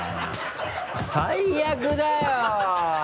最悪だよ！